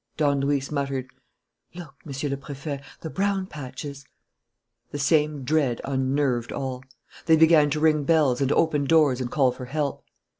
Don Luis muttered: "Look, Monsieur le Préfet the brown patches!" The same dread unnerved all. They began to ring bells and open doors and call for help.